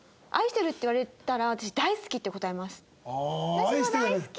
「私も大好き！」